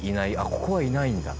ここはいないんだ。